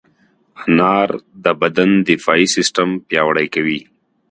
انار د بدن دفاعي سیستم پیاوړی کوي.